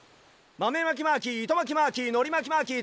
まめまきマーキーいとまきマーキーのりまきマーキー